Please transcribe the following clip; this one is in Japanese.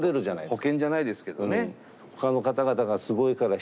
保険じゃないですけどね。